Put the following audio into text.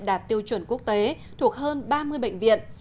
đạt tiêu chuẩn quốc tế thuộc hơn ba mươi bệnh viện